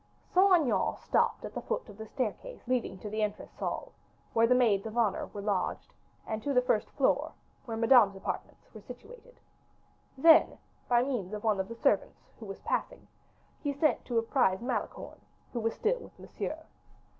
Saint Aignan stopped at the foot of the staircase leading to the entresol, where the maids of honor were lodged, and to the first floor, where Madame's apartments were situated. Then, by means of one of the servants who was passing, he sent to apprise Malicorne, who was still with Monsieur.